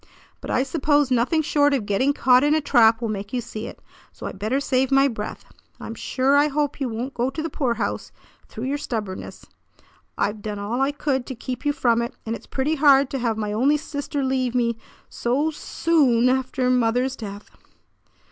But I suppose nothing short of getting caught in a trap will make you see it; so I better save my breath. I'm sure I hope you won't go to the poorhouse through your stubbornness. I've done all I could to keep you from it, and it's pretty hard to have my only sister leave me so soo oo on after mother's death."